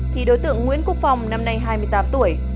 thì đối tượng nguyễn quốc phong năm nay hai mươi tám tuổi